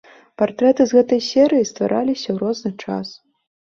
Партрэты з гэтай серыі ствараліся ў розны час.